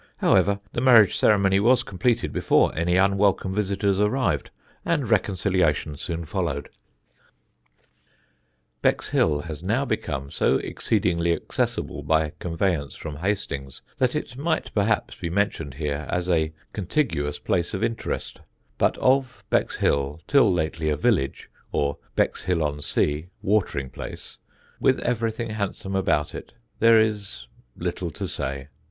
However, the marriage ceremony was completed before any unwelcome visitors arrived, and reconciliation soon followed." [Sidenote: BEXHILL] Bexhill has now become so exceedingly accessible by conveyance from Hastings that it might perhaps be mentioned here as a contiguous place of interest; but of Bexhill, till lately a village, or Bexhill on Sea, watering place, with everything handsome about it, there is little to say.